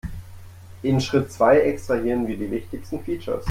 In Schritt zwei extrahieren wir die wichtigsten Features.